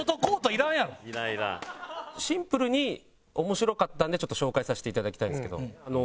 シンプルに面白かったんでちょっと紹介させていただきたいんですけど。